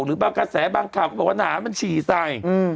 หรือบางกระแสบางข่าวก็บอกว่าหนามันฉี่ใส่